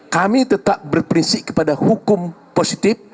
kami tetap berprinsik kepada hukum positif